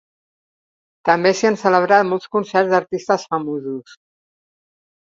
També s'hi han celebrat molts concerts d'artistes famosos.